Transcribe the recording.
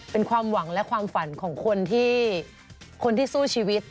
เป็นความหวังและความฝันของคนที่คนที่สู้ชีวิต